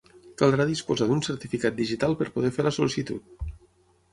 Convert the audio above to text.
Caldrà disposar d'un certificat digital per poder fer la sol·licitud.